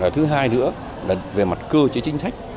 thứ hai nữa về mặt cơ chế chính sách